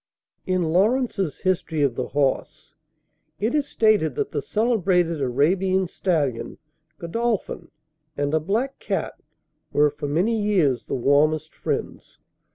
In Lawrence's "History of the Horse," it is stated that the celebrated Arabian stallion, Godolphin, and a black cat were for many years the warmest friends.